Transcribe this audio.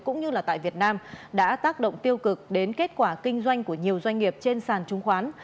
cũng như là tại việt nam đã tác động tiêu cực đến kết quả kinh doanh của nhiều doanh nghiệp trên sàn chứng khoán